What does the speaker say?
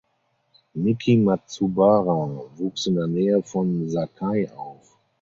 Miki Matsubara wuchs in der Nähe von Sakai auf.